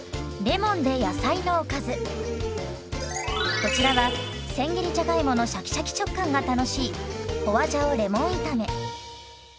こちらはせん切りじゃがいものシャキシャキ食感が楽しい花椒レモン炒め。